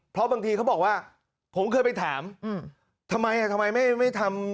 เพราะบางทีเขาบอกว่าผมเคยไปถามอืมทำไมอ่ะทำไมไม่ไม่ทำ